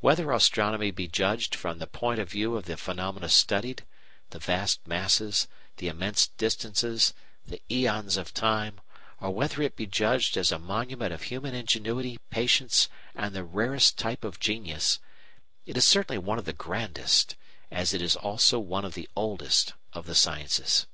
Whether astronomy be judged from the point of view of the phenomena studied, the vast masses, the immense distances, the æons of time, or whether it be judged as a monument of human ingenuity, patience, and the rarest type of genius, it is certainly one of the grandest, as it is also one of the oldest, of the sciences.